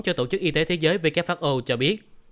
cho tổ chức y tế thế giới who cho biết